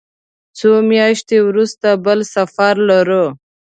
څو میاشتې وروسته بل سفر لرو.